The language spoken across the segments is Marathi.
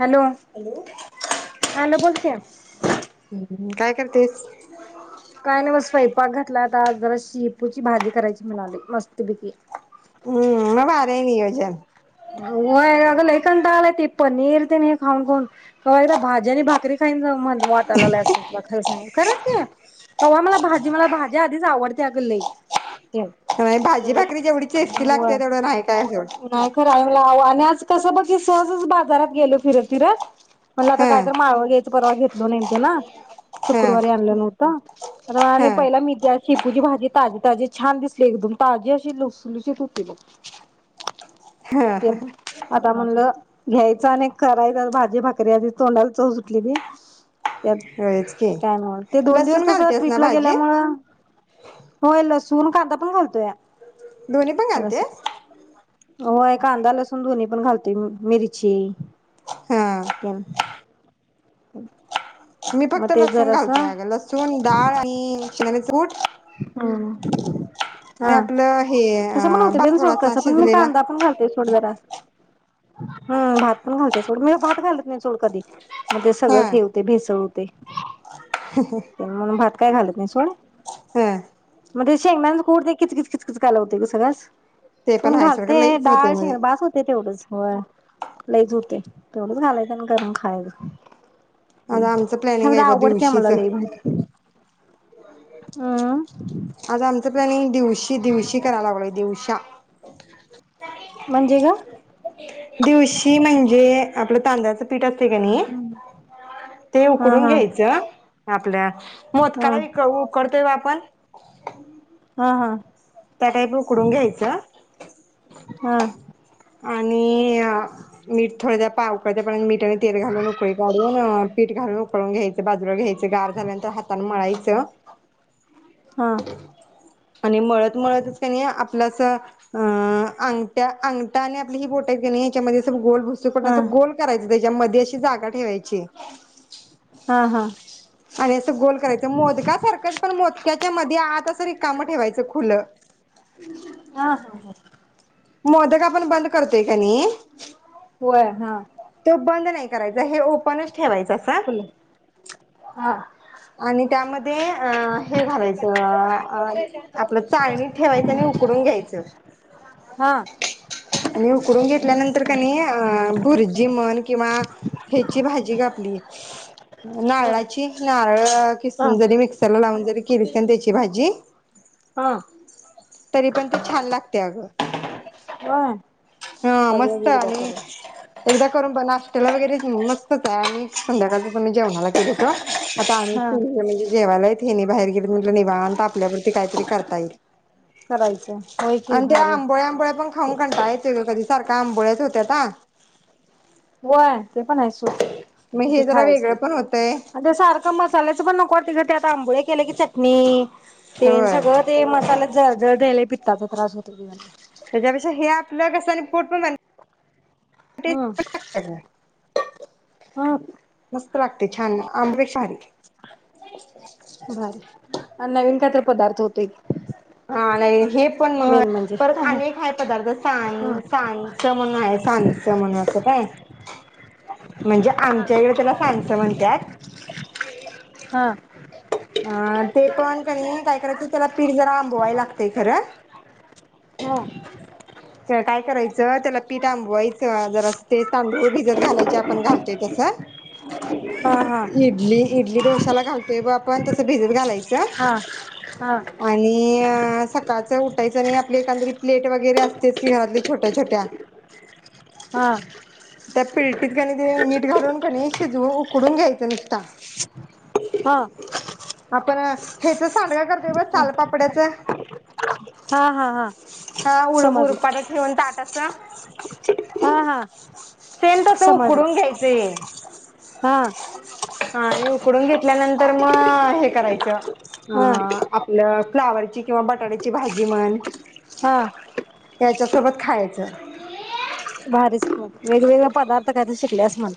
हॅलो हॅलो बोल की हम्म काय करतेस? काय नाही ब स्वैपाक घातला आता जरा शिपूची भाजी करायची म्हणालोय मस्त पैकी नाही नियोजन होय अगं लई कंटाळा आलंय ते पनीर तेन हे खाऊन खाऊन कवा एकदा भाजी आणि भाकरी खाईन झालंय मला. वाटालालय अस खरच की कवा मला भाजी मला भाजी आधीच आवड त्यागली होय भाजी भाकरी जेवढी टेस्टी लागते तेवढं नाही कायं सोड चांगलावा तस बघ की सहजच बाजारात गेलो फिरत फिरत म्हणलं आता काय हं तर माळवं घ्याय परवा घेतलो नाही ते ना हं शुक्रवारी आणले नव्हत तर मला आणि हं पहिला मी तर. शेपूची भाजी ताजी ताजी छान दिसली एकदम ताजी अशी लुसलुशीत होती बघ. हा हह तर म्हणलं घ्यायच आणि करायचंच भाजी भाकरी आधीच तोंडाला चव सुटलेली त्यात होयच की. काय म्ह ते दोन दिवस लसूण कस घालतेस ना ट्रिपला भाजीत? गेल्यामुळ होय लस सूण कांदा पण घालतोया. दोन्ही पण घालतेस? व्हय. कांदा लसूण दोन्ही पण घालते मिरची हा तेन मी मग फक्त ते लसूण घालतोय जरासं अग लसूण डाळ आणि शेंगदाण्याच कूट हम्म आणि हा आपलं हे तसं पण अ होतय भात पण सोड थोडासा कसं पण शिजलेला कांदा पण घालतोय सोड जरा हम्म भात पण घालते सोड मी भात घालत नाही सोड कधी मग ते हा सगळंच हे होतंय भेसळ होत ते म्हणून भात काय घालत नाही सोड हा मग ते शेंगदाण्याचं कूट ते खिचखिच खिचखिच काला होतोय ग सगळाच ते पण कोण आहे सोड घालते लईच होतंय डाळ शेंग मध्ये. बास होतय तेवढंच होय लईच होतय, तेवढंच घालायचं आणि करून खायचं. आज हम्म, आमचं प्लॅनिंग खर आहे बघ आवडत्या दिवशीच. मला लय भाजी. अं आता आमचं प्लॅनिंग दिवशी दिवशी करायला लागलोय दिवश्या [inaudible] म्हणजे ग दिवशी म्हणजे आपलं तांदळाचं पीठ असं तय का नाही ते हा उकडून हा घ्यायचं आपल्यात हा मोदकाला विक उकडतय वात पण हा हा त्या काहीप उकडून घ्यायचं हा आणि मीठ थोड्या पावकळत प मठा आणि तेल घालून उकळी काढून पीठ घालून उकळून घ्याय ते बाजूला घे गार झाल्यांतर हातान मळाय त्या हा [inaudible] आणि मळत मळतच का नाही आपलाचा अं अंगठ्या अंगठा आणि आपली ही बोट आहेत का नाही यांच्यामध्येच गोल दिसूपर्यंत हा असं गोल करायचं ग त्याज्यामध्ये अशी जागा ठेवायची हा हा आणि अस गोल करायचं मोदका सारखंच पण मोदक्याच्या मध ते आत असं रिकामं ठेवायचं खुलं. [unintelligible] हा हो हो. मोदक आपण बंद करतोय का नाही होय हा त्यो बंद नाही करायचा हे ओपनच ठेवायचं अस फुल हा आणि त्यामध्ये अ हे घालायचं आपलं चाळणी ठेवायच आणि उकडून घ्यायचं हा आणि उकडून घेतल्यानंतर का नई अ भुरजी मन किंवा हची भाज जी ग आपली होय नारळाची क नारळ हा खिसून जरी मिक्सरल थोडाम जरीक किरसन त्याची भाजी हा तरी पण ते छान लागतय अगं व्हय? हा मस्त आणि एकदा करून बघ नाश श्त्याला वगैरे मस स्त आणि संध्याकाळच आम्ही जेवणाला केल होत, आता आही त हा म्हणजे जेवायला एक हेनी बाहेर गेलेत. मी म्हटल निवांत आपल्यापुरती काहीतरी करता येईल, करायचं होय की आणि ते भारी आंबोळ्या, आंबोळ्या पण खाऊन कंटाळा ये सारख्या आंबोळ्याच होत्यात आ होय ते पण आहेच. मग किती हे जरा खायच वेगळं पण होतंय ते सारखं मसाल्याचं पण नको वाटतंय ग त्यात आंबोळ्या केले की चटणी ते होय सगळं ते मसाल्या जळजळतय लई पित्ताचा त्रास होतोय बाई मला त्याच्यापेक्षा हे आपलं कस आणि पोट पण [unintelligible] हम्म लागतं ग, हम्म मस्त लागते छान आंबे शहारी [unintelligible] भारी आणि नवीन काय तरी? पदार्थ होते हा नाही हे पण परत हम्म अनेक आहे पदार्थ सां सांचं म्हणून आहे सांच म्हण असं काय म्हणजे हा आमच्या हा इकडे त्याला सांच म्हणतायात हां आ ते पण कणी काय करायचं त्याला पिट जरा आंबोवाय लागतय खरं हा काय करायचं त्याला पीठ आंबवायचं जर ते तांदूळ भिजत घालायचे आपण घालतोय तसं हा हा इडली-इडली, डोशला घालतोय ब आपण तसं भिजत घालाय चा हा हा आणि सकाळच उ कायच आणि आपली एकांदरी प्लेट वगैरे अस. तेच की घरातली छोट्या-छोट्या हा त्यात पील्टीत घाणी देउन मीठ घालून कणी शिजवू उकडून घ्यायचं नुसता हा तर ह्याच च सांगड्या करतय बघ चाल पापड्याचा हा हा हा समजलं ठेऊन ताट असं हा-हा तसं समजलं उकडून घ्यायचंय. हा हा आणि उकडून घेतल्यानंतर मग हे करायचं हा आ आपल्या फ्लावरची किंवा बटाट्याची भाजी म्हण हा सोबत खायचं आता कायतरी शिकले असणार.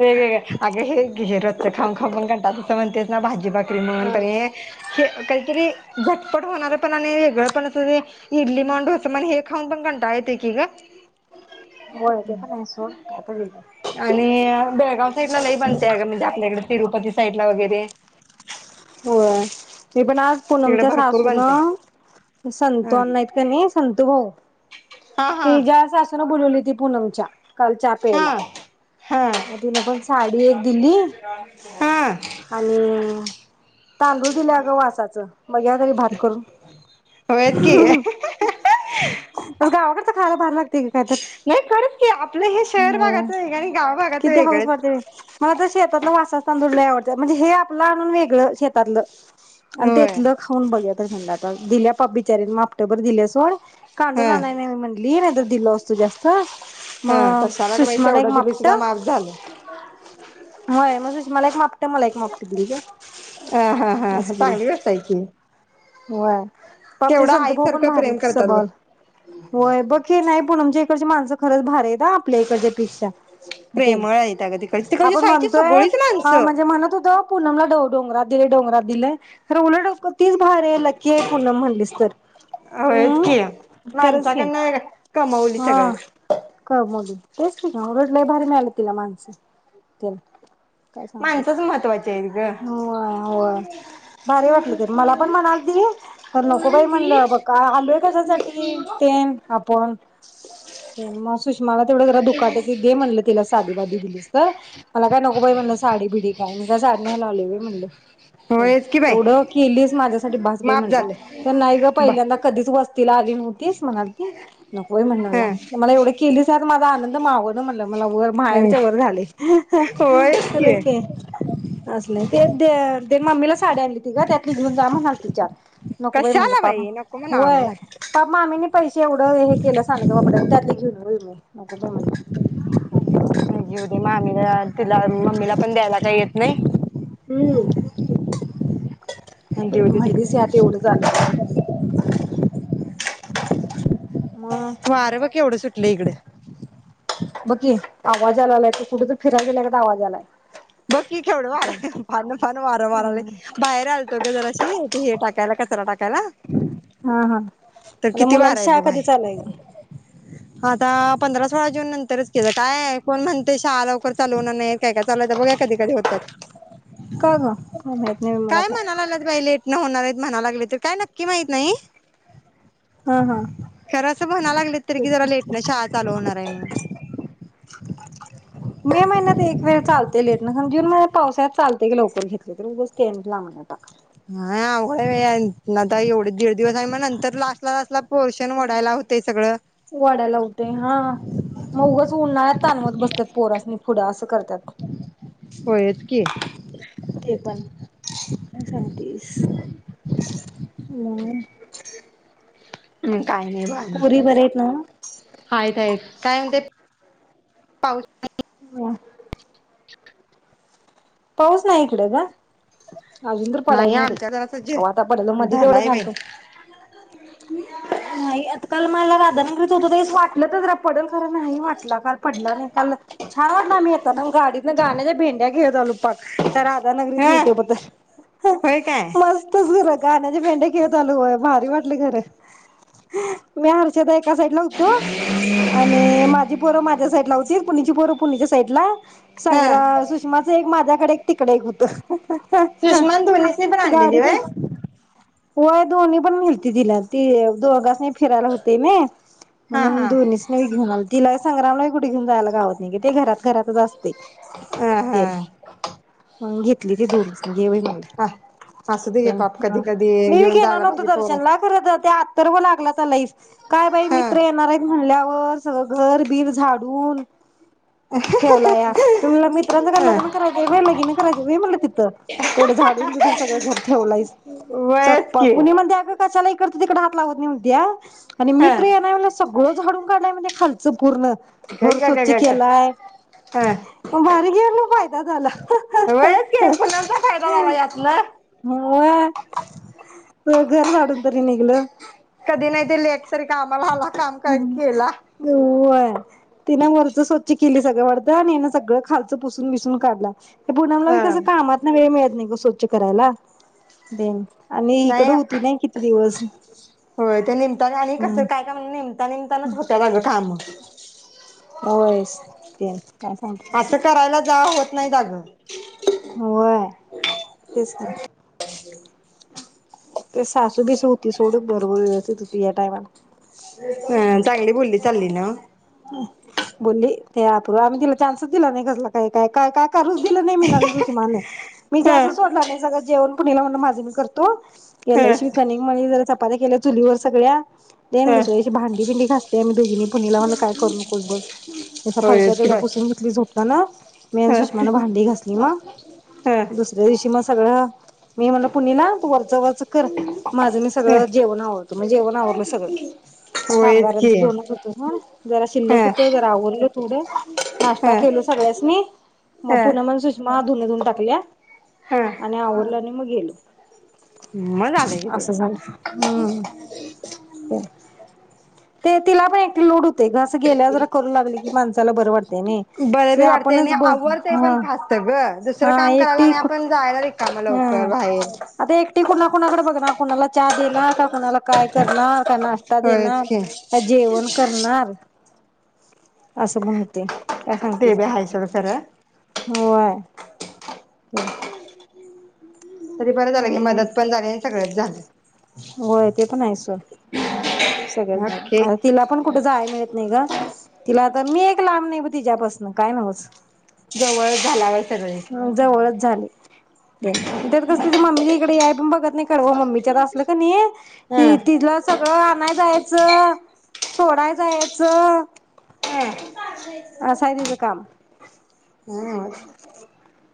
वेगवेगळे अग हे हे रोजच खाऊन-खाऊन पण कंटाळ तस म्हणतेस ना भाजी-भाकरी म्हण पण हे के काहीतरी झटपट होणार पण आणि वेगळ पण अस इडली म्हण, डोसा म्हण हे खाऊन पण कंटाळा येते की ग होय ते पण आहे सोड काय आणि [unintelligible] बेळगाव साइडला लई बनतेय अग म्हणजे आपल्या इकडं तिरुपती साईडला वगैरे होय मी पण आज तिकडे पुनमच्या भरपूर सासूून, बनतंय. संतु अण्णा हा हाईत कने संतु भाऊ? हा हा तिज्या सासू ला बोलवली ती पुनमच्या काल चहा हा प्यायला, हा म तिनं पण साडी एक दिली हा आणि तांदूळ दिल्या गं वासाच मग या भात करून. होयच की गावाकडचं खायला भारी लागतय कायतर. [inaudible] शहर होय भागाचं वेगळं आणि गाव भागाचं किती हाऊस वेगळंच वाटते. मला तर शेतातला वासाच तांदूळ लय आवडत म्हणजे हे आपलं आणून वेगळं शेतातलं. आणि होय त्येतलं खाऊन बघयात. दिल्या पाप बिचारीन माप र दिल्या सोड कांडून हा आनाय नाय म्हणली नाही तर दिलं असतं जास्त. हा! मग कशाला गं बाई, सुषमाला एक तेवढं दिलश मापट माप झालं. होय म सुषमला एक मा हा हा हा असं केलं चांगली गोष्ट हाय की. होय. पाप ते केवढं संतु भाऊ पण आईसारखं प्रेम भारीच करतात बघ स्वभावाला होय बघ की नाइ पूनमच्या इकडची माणसं खरचं भारी आहेत हा आपल्या इकडच्या पेक्षा. तेन प्रेमळ आहेत अगं तिक आपण म्हणतोय म्हणजे म्हणत होतो पूनमला दो डोंगरात दिलय, डोंगरात दिलं य खरं उलट तीच भारी हाय, लकी हाय पुनण म्हणलीस तर होयच हम् की खरंच की माणसाकडनं कमवली सगळं हा [unintelligible] लय भारी मिळाल तिला माणसं रिकामा ऑडिओ माणसंच महत्त्वाचे आहेत ग [inaudible] होय होय. भारी वाटलं ते मला पण म्हणालती, तर नको बाई म्हणलं अबक आलूय कशासाठी तेन आप पण मग सुषमाला तेवढं जरा दुखाट्याची दे म्हणलं तिला साधी बाधी दिलीस तर मला काय नको बाई म्हणलं साडी बिडी कायमचं झाड नाही लावलंय मी म्हणलं होयच की बाई एवढं केलीस माझ्यासाठी बास बाई माफ म्हणलं झालं तर नाही ग ब पहिल्यांदा कधीच व तिला आली नव्हतीस म्हणालती! नको बाई म्हणाला हा मला एवढं केली सा माझा आनंद मावना म्हणलं मला वर माहेरच्या वर झालंय [inaudible] ह खर की असल आहेत ते ते ते मम्मीला साडी आणली होती ग त्यातली घेऊन जा म्हणाल ती चार नको बाई म्हणलं कशाला पाप नको म्हणा होय आम्हाला पाप मामींनी पैसे एवढं हे केलं सांडगं, पापड आणि त्यातलं घेऊन येऊ होय मी नको बाई म्हणलं. घीऊ दे मामीला तिला मम्मीला पण द्यायला काही येत नाही. हम्म देऊ दे म्हणलीस तिकडे यात एवढं झालं मग वारं बघ केवढं सुट लय इकडं बग की आवाज यालालाय कुठं तर फिराय गेल्यालाच आवाज यालालाय. बघ की केवढं वारं अगं फार वारं हा वहालंय बाहेर आलतो ग जराशी हे टाकायला कच चरा टाक हा हा तर आता किती वार मुलांची आहे शाळा बघ कधी बाहेर चालूय आता पंधरा सोळा जून नंतरच केलं काय कोण म्हणतय शाळा लवकर चालू होणार नाही काय काय चालू कधी कधी होतात. का ग काय माहीत नाही मला काय म्हणा लागल्यात बाई लेट न होणार आहेत म्हणायला लागले तर काय नक्की माहित नाही हं हं जरास म्हणा लागले तरी कि जरा लेटनं शाळा चालू होणार हाय म्हणून मे महिन्यात एक वेळ चालते लेटनं पण जून महिन्यात पावसाळ्यात चालतेय की लवकर घेतलं तर उगच तेनी लांबनीवर टाकलं. हा अवघड आहे आता एवढे दीड दिवस आहे मग नंतर लास्टला लाटला पोर्शन वडायला लावतंय सगळं. वाढायला होतय हा मग उगच उन्हाळ्यात ताणवत बसते पोरास नि पुढं असं कर टाक होयच की ते पण सांगतीस मम हम काय नाही बग अजून नव्ह? हायत हायत काय म्हणते पावसात हम पाऊस नाही इकडं गं. अजून तर पडाय नाही बाई आमच्या जरास जे कवा आता पडल मधी तेवढं धरलाय बाई झालता. नाही आता काल मला रा - - [unintelligible] होतो त्यावेळेस वाटलतं जरा पडल खरा नाही वाटला का पडला नाही. काल छान आम्ही येता ना गाडीतन गाण्याच्या भेंड्या खेळत आलो. पाक त्या राधानगरीत न हा इथपर्यंत होय काय मस्तच खरं गाण्याच्या भेंड्या खेळत आलो होय. भारी वाटली घर. मी हर्षदा एक एका साईड ला होतो आणि माझी पोर माझ्या साईड ला हुतीत. पुनीची पोर पूनिच्या साईडला. हा संग्रा सुशमाचा एक माझ्या तीकडं एक होत. सुषमान दोन्हीसनी पण आणलेली होय? होय. दोन्ही पण न्हिलती तिनं ती दोघासनी फिरायला हुतंनंय हा म्हणून हा दोन्हीसनी घेऊन आलति तिला संग्रामला कुठे घेऊन जायला गावत नाही. ते घरात घरातचं असतयं. हं हं. म्हणुन घितली ती दोनीसनी घे बाई म्हणलं. हा असू दे घे पाप कधी कधी मी बी घेऊन घेणार जायला नव्हतो पाहिजे पोरास दर्शनला खरं त्या आ तरव लागला. [unintelligible] काय बाई हा मित्र येणार हाईत म्हणल्या वर. [unintelligible] घरबीर झाडून. ठेवला या. तुमल्य मित्राच काय लग्न हा करायचं लग्न करायचं व्हय तिथं एवढं झाडून बिडून सगळं घर ठेवलाइस. व्हयच की चकपक पुनी म्हणते अग कशाला? इकडचं तिकड हात लावत नाही म्हणतीया आणि हा मित्र येणार हाय म्हटल्यावर सगळं झाडुन काढलाय खालचं पूर्ण. ग घर ग ग स्वच्छ ग ग केेलायं. हा म भारी आता झालं अं हं हं हं हं काय फायदा झाला यातन? व्हय घर झाडून तरी निघलं. कधी नाही ते लेकतरी कामाला आला काम काय केला. व्हय तिनं वरचं स्वच्छ केली सगळं वाटतं आणि हिनं सगळं खालचं पुसून बिसुन काढला. पुणमलाबि हा कस कामातन वेळ नाही. स्वच्छ करायला देन. आणि नाही इकडं होती किती दिवस होय ते निमता आणि कस? हम्म काय? काय? म्हण नेमता निमतानाच होत्या अगं काम. होयस तेन काय सांगते असं करायला जा होत नाही आज होय तेच की [inaudible] ते सासू बीसु होती सोडू बरोबर व्यवस्थित होती या टाइम हं चांगली बोलली चालली ना बोलली ते [unintelligible] आम्ही तिला चान्सच दिला नाही कसला काय काय का काय करूच दिलं नाही मी सुषमान मी ह गॅसच सोडला नाही सगळं जेवण पुणीला म्हण माझे मी करतो गेलं ह शि कनिक मळली जरा चपात्या केल्या चुलीवर सगळ्या द ह दुसर्याशी भांडीबिंडी खास ते आम्ही दोघींनी पुचीला म्हटलं करू नकोब बस त्याचा फरशा होयच की तेवढ्या बाय पुसून घेतली झोपताना ना मी आणि ह सुषमान भांडी घासली मग ह दुसऱ्या दिवशी मग सगळं मी म्हणलं पुणीला तु वरच व चकर माझं मी ह सगळं जेवण आवरत मी जेवण आवरल सगळं होयच की कामगारांचं दोनच होत हा जरा ह शिल्लक होत जरा आवरलं थोडे ह नाष्टा केलू सगळ्यासनी ह मग पुनम आणि सुषमा धुण धून टाकल्या आणि आवरल आणि मग गेलो [unintelligible] आलेय की असं झालं हम्म ते तिला पण एक लोड ते [unintelligible] गेल्या जरा करू लागले की माणसाला बर वाटत बर बी वाटतय आणि आवरत पण हा फास्ट ग दुसरं हा काम करायला एकटी आणि आपण जायला रिकाम हा लवकर बाहेर आता एकटी कुणा कुणाकडे बघणार? कुणाला चहा देणार का? कुणाला काय करणार? काय नाष्टा होयच की देणार? जेवण करणार. असं पण होते काय ते सांगतेस? बी हाय सोड खरं होय हम तरी बरं झालं की हम्म मदत पण झाली आणि सगळंच झालं होय ते पण आहे सोड सगळंच ओके झालं तिला पण कुठे जाया मिळत नाही गं तिला आता मी एक लांब नई तिज्यापासन काय न्हवच जवळचं झाला होय हम्म जवळच झालय तेन त्यात कस तीजी मम्मी इकडं याय तुम्ही बघत नई कडव मम्मीच्यात असलं क नाही हि हं तिला सगळं आणाय जायचं सोडाय जायचं असं आहे तिचं काम [inaudible] हम्म. [unintelligible]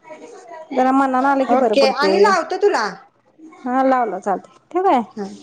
जरा मनान आलं की बरं आणि पडतंय. लावतो तुला हां लाव लाव चालतंय, ठेवू काय? हं